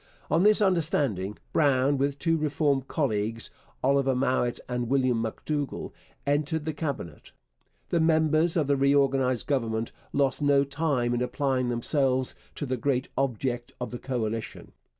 On this understanding Brown, with two Reform colleagues, Oliver Mowat and William M'Dougall, entered the Cabinet. The members of the reorganized Government lost no time in applying themselves to the great object of the coalition.